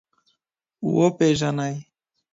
وپېژنئ.